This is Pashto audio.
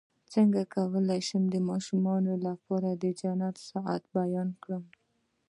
څنګه کولی شم د ماشومانو لپاره د جنت ساعت بیان کړم